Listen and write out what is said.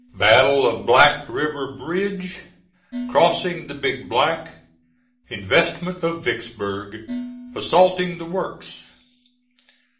BATTLE OF BLACK RIVER BRIDGE CROSSING THE BIG BLACK INVESTMENT OF VICKSBURG ASSAULTING THE WORKS.